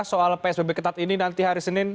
soal psbb ketat ini nanti hari senin